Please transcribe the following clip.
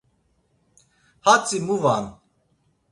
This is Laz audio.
Hatzi mu van.